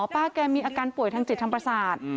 ป้าแกมีอาการป่วยทางจิตทางประสาท